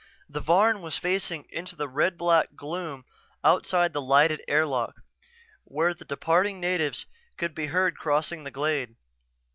The Varn was facing into the red black gloom outside the lighted airlock, where the departing natives could be heard crossing the glade.